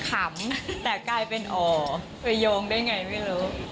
ขำแต่กลายเป็นอ๋อไปโยงได้ไงไม่รู้